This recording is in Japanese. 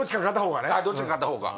どっちか片方はね。